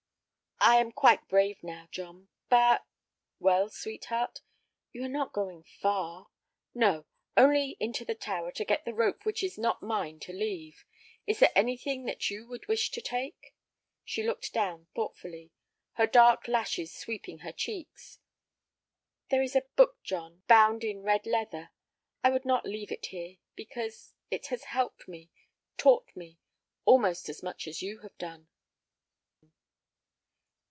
"I am quite brave now, John. But—" "Well, sweetheart?" "You are not going far?" "No. Only into the tower to get the rope which is not mine to leave. Is there anything that you would wish to take?" She looked down thoughtfully, her dark lashes sweeping her cheeks. "There is a book, John, bound in red leather. I would not leave it here—because—it has helped me—taught me—almost as much as you have done."